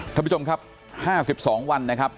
ท่านผู้ชมครับห้าสิบสองวันนะครับ